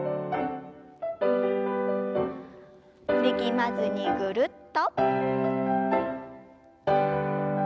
力まずにぐるっと。